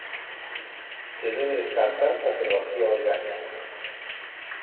Se debe descartar patología orgánica.